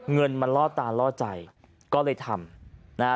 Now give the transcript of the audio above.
เงินมันล่อตาล่อใจก็เลยทำนะฮะ